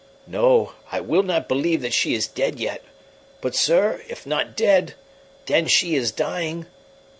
"No, I will not believe that she is dead yet; but, sir, if not dead, then she is dying."